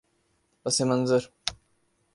پس منظر